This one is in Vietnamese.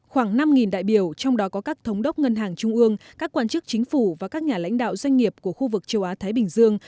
khoảng năm đại biểu trong đó có các thống đốc ngân hàng trung ương các quan chức chính phủ và các nhà lãnh đạo doanh nghiệp của khu vực châu á thái bình dương